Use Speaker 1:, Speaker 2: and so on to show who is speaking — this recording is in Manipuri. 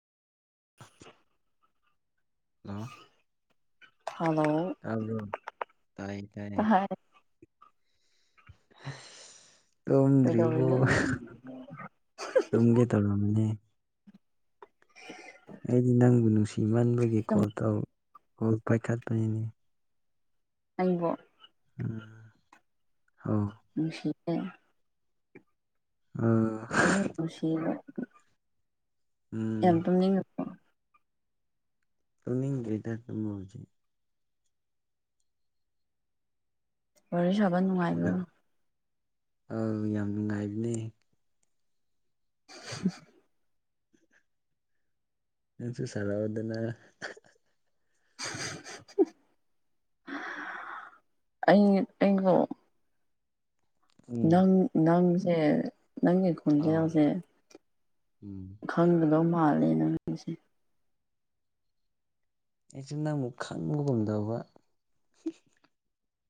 Speaker 1: ꯍꯜꯂꯣ
Speaker 2: ꯍꯅꯣ
Speaker 1: ꯑꯗꯨꯣ ꯇꯥꯏ ꯇꯥꯏꯌꯦ
Speaker 2: ꯍꯥꯏꯔꯦ
Speaker 1: ꯇꯣꯗ꯭ꯔꯤꯕꯨ
Speaker 2: ꯀꯩꯗꯧꯔꯤꯅꯣ
Speaker 1: ꯇꯝꯦ ꯇꯂꯕꯅꯦ
Speaker 2: [unintelligible]
Speaker 1: ꯑꯩꯗꯤ ꯅꯪꯕꯨ ꯅꯨꯡꯁꯤꯃꯟꯕꯒꯤ
Speaker 2: ꯁꯨꯝ
Speaker 1: ꯀꯣꯜ ꯇꯧ ꯀꯣꯜ ꯄꯥꯏꯈꯠꯄꯅꯤꯅꯦ
Speaker 2: ꯑꯩꯕꯣ
Speaker 1: ꯎꯝ ꯍ
Speaker 2: ꯃꯤꯅꯨꯡꯁꯤꯦ
Speaker 1: ꯑꯥ
Speaker 2: ꯈꯨꯁꯤ
Speaker 1: ꯎꯝ
Speaker 2: ꯌꯥꯝ ꯇꯨꯝꯅꯤꯡꯉꯨ
Speaker 1: ꯇꯅꯤꯡ ꯀ꯭ꯔꯦꯇꯔ ꯇꯦꯛꯅꯣꯂꯣꯤ
Speaker 2: ꯋꯥꯔꯤꯣꯔꯣꯏ ꯁꯥꯕ ꯅꯨꯡꯉꯥꯏꯕ꯭ꯔꯣ
Speaker 1: ꯑ ꯌꯥꯝ ꯅꯨꯡꯉꯥꯏꯕꯅꯦ
Speaker 2: [inaudible]
Speaker 1: ꯅꯁꯨ ꯁꯔ ꯑꯣꯏꯗꯅ
Speaker 2: ꯑꯩ ꯑꯩꯕꯨꯣ
Speaker 1: ꯎꯝ
Speaker 2: ꯅꯪ ꯅꯪꯁꯦ ꯅꯪꯒꯤ
Speaker 1: ꯑꯧ
Speaker 2: ꯈꯣꯟꯖꯦꯜꯁꯦ
Speaker 1: ꯎꯝ
Speaker 2: ꯈꯪꯒꯗꯧ ꯃꯥꯜꯂꯦꯅ ꯅꯪꯁꯦ
Speaker 1: ꯑꯩꯁꯤ ꯅ ꯑꯃꯨꯛ ꯈꯪꯕ ꯉꯝꯗꯧꯕ